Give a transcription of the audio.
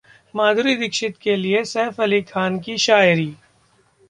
माधुरी दीक्षित के लिए सैफ अली खान की शायरी